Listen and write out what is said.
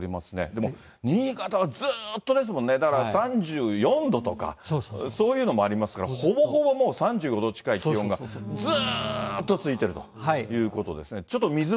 でも新潟はずーっとですもんね、だから３４度とか、そういうのもありますが、ほぼほぼもう３５度近い気温がずーっと続いてるということですね。